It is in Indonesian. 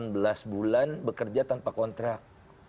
delapan belas bulan bekerja tanpa kontrak